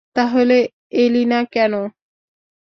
তাহলে এলিনা কেন?